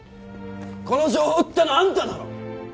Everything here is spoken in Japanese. この情報売ったのあんただろ！